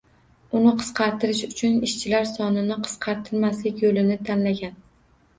Uni qisqartirish uchun ishchilar sonini qisqartirmaslik yoʻlini tanlagan.